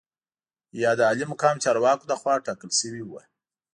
یا د عالي مقام چارواکو لخوا ټاکل شوي وو.